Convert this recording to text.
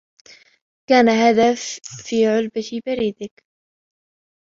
كان هذا في علبة بريدك.